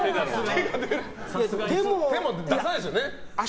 手も出さないですよね。